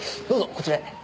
どうぞこちらへ。